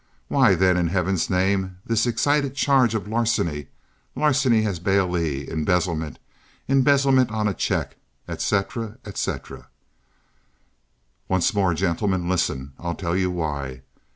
Why, then, in Heaven's name, this excited charge of larceny, larceny as bailee, embezzlement, embezzlement on a check, etc., etc.? "Once more, gentlemen, listen. I'll tell you why.